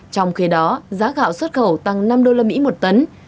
trong khi đó giá gạo xuất khẩu tăng năm đô la mỹ một tấn